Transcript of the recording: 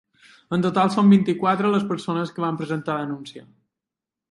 En total són vint-i-quatre les persones que van presentar denúncia.